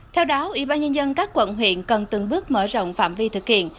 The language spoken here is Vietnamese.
theo đáo ủy ban nhân dân các quận huyện cần từng bước mở rộng phạm vi thực hiện